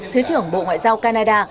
thứ trưởng bộ ngoại giao canada